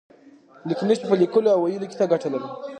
لیک نښې په لیکلو او لوستلو کې څه ګټه لري؟